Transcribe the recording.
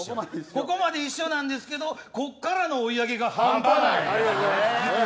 ここまで一緒なんですけどここからの追い上げが半端ない。